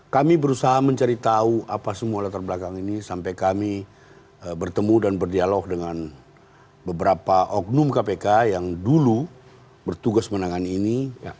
kami berusaha mencari tahu apa semua latar belakang ini sampai kami bertemu dan berdialog dengan beberapa oknum kpk yang dulu bertugas menangani ini